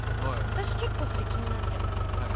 私結構それ気になっちゃうんですけど。